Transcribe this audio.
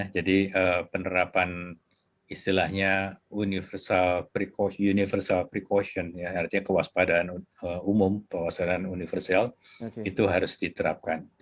jadi penerapan istilahnya universal precaution artinya kewaspadaan umum kewaspadaan universal itu harus diterapkan